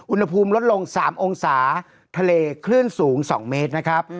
อุณหภูมิลดลง๓องศาทะเลคลื่นสูง๒เมตรนะครับ